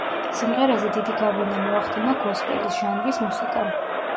სიმღერაზე დიდი გავლენა მოახდინა გოსპელის ჟანრის მუსიკამ.